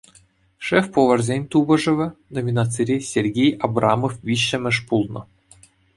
«Шеф-поварсен тупӑшӑвӗ» номинацире Сергей Абрамов виҫҫӗмӗш пулнӑ.